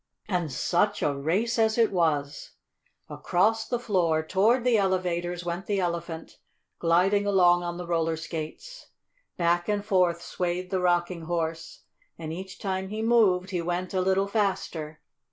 And such a race as it was! Across the floor, toward the elevators, went the Elephant, gliding along on the roller skates. Back and forth swayed the Rocking Horse, and each time he moved he went a little faster.